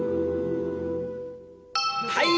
はい！